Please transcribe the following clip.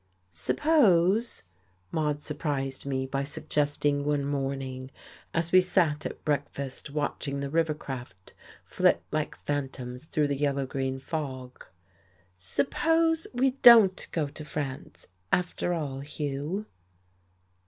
"Suppose," Maude surprised me by suggesting one morning as we sat at breakfast watching the river craft flit like phantoms through the yellow green fog "suppose we don't go to France, after all, Hugh?"